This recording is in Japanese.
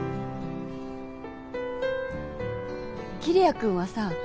桐矢君はさ